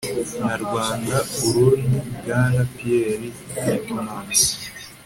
na rwanda-urundi, bwana pierre ryckmans